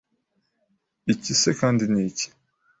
Iki se kandi ni iki ?